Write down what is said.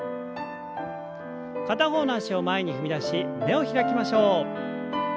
片方の脚を前に踏み出し胸を開きましょう。